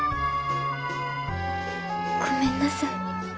ごめんなさい。